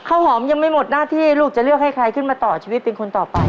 ข้าวหอมยังไม่หมดหน้าที่ลูกจะเลือกให้ใครขึ้นมาต่อชีวิตเป็นคนต่อไป